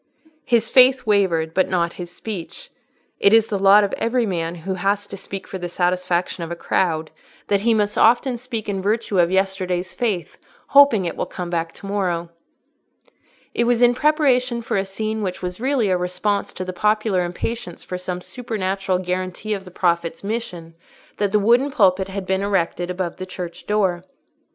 His faith wavered, but not his speech: it is the lot of every man who has to speak for the satisfaction of the crowd, that he must often speak in virtue of yesterday's faith, hoping it will come back to morrow. It was in preparation for a scene which was really a response to the popular impatience for some supernatural guarantee of the Prophet's mission, that the wooden pulpit had been erected above the church door.